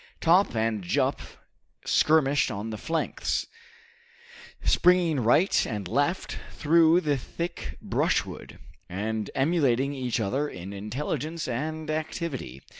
Top and Jup skirmished on the flanks, springing right and left through the thick brushwood, and emulating each other in intelligence and activity.